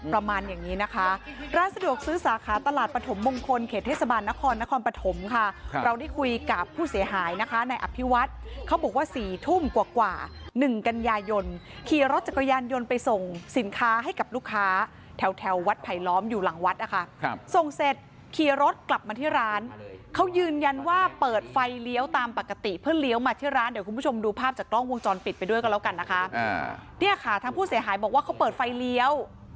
ร้านสะดวกซื้อสาขาตลาดปฐมมงคลเขตเทศบาลนครนครปฐมค่ะเราได้คุยกับผู้เสียหายนะคะในอภิวัฒน์เขาบอกว่าสี่ทุ่มกว่าหนึ่งกัญญายนขี่รถจักรยานยนต์ไปส่งสินค้าให้กับลูกค้าแถววัดไผลล้อมอยู่หลังวัดอ่ะค่ะส่งเสร็จขี่รถกลับมาที่ร้านเขายืนยันว่าเปิดไฟเลี้ยวตามปกติเพื่อเลี้ย